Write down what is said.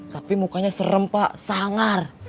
tapi mukanya serem pak sangar